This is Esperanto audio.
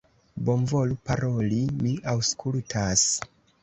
Bonvolu paroli, mi aŭskultas!